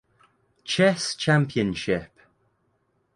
Chess Championship.